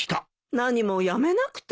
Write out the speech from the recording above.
何もやめなくても。